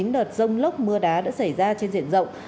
chín đợt rông lốc mưa đá đã xảy ra trên diện rộng